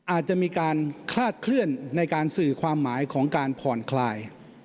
อาจจะมีการคาดเคลื่อนในการสื่อความหมายของการผ่อนคลาย